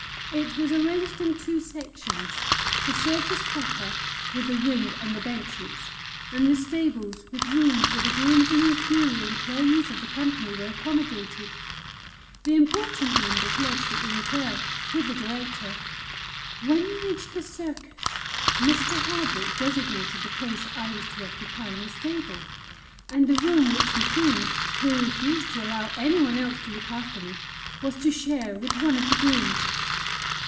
It was arranged in two sections the Circus proper with the Ring and the Benches, and the Stables, with rooms where the grooms and inferior employees of the company were accommodated; the important members lodged at the Hotel, with the Director. When we reached the Circus, Mr. Hardwick designated the place I was to occupy in the Stable, and the room which Moukounj (who refused to allow anyone else to look after me) was to share with one of the grooms.